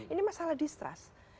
ini masalah distrust